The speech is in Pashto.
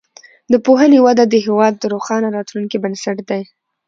د پوهنې وده د هیواد د روښانه راتلونکي بنسټ دی.